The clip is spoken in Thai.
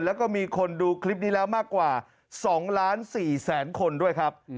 แล้วก็มีคนดูคลิปนี้แล้วมากกว่า๒ล้าน๔แสนคนด้วยครับ